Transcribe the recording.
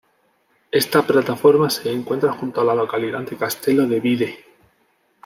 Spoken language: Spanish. Esta plataforma se encuentra junto a la localidad de Castelo de Vide.